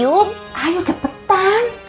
yuk ayo cepetan